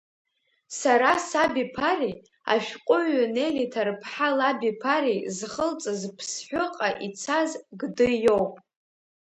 Сара сабиԥареи ашәҟәыҩҩы Нели Ҭар-ԥҳа лабиԥареи зхылҵыз Ԥсҳәыҟа ицаз Гды иоуп.